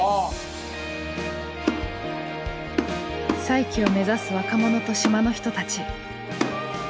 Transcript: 再起を目指す若者と島の人たち。